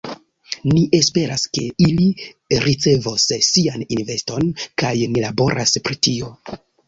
Ni esperas, ke ili rericevos sian investon kaj ni laboras pri tio.